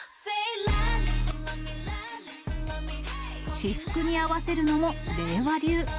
私服に合わせるのも令和流。